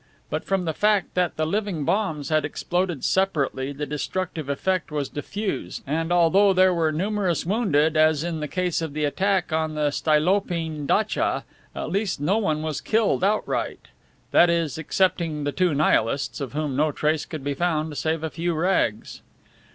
But from the fact that the living bombs had exploded separately the destructive effect was diffused, and although there were numerous wounded, as in the case of the attack on the Stolypine datcha, at least no one was killed outright; that is, excepting the two Nihilists, of whom no trace could be found save a few rags.